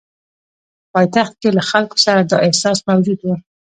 پایتخت کې له خلکو سره دا احساس موجود وو.